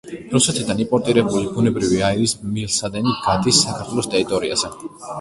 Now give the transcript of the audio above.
რუსეთიდან იმპორტირებული ბუნებრივი აირის მილსადენი გადის საქართველოს ტერიტორიაზე.